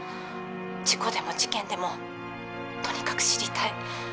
事故でも事件でもとにかく知りたい。